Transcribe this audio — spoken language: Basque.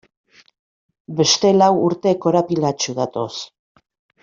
Beste lau urte korapilatsu datoz.